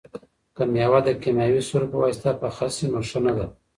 که مېوه د کیمیاوي سرو په واسطه پخه شي نو ښه نه ده.